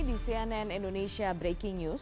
di cnn indonesia breaking news